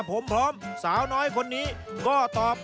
เป็นให้จังของเกียบ